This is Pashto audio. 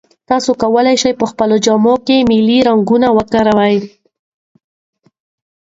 تاسي کولای شئ په خپلو جامو کې ملي رنګونه وکاروئ.